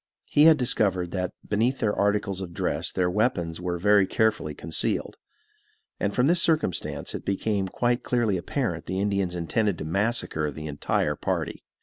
He had discovered that beneath their articles of dress their weapons were very carefully concealed; and from this circumstance it became quite clearly apparent the Indians intended to massacre the entire party.